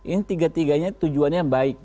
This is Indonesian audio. ini tiga tiganya tujuannya baik